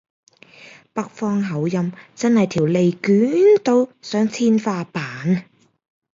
北方口音真係條脷捲到上天花板